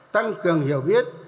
tăng cường hiểu biết